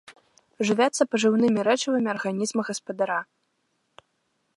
Жывяцца пажыўнымі рэчывамі арганізма гаспадара.